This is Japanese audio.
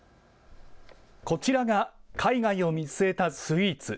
こちらが海外を見据えたスイーツ。